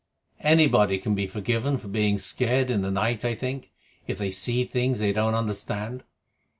"Anybody can be forgiven for being scared in the night, I think, if they see things they don't understand.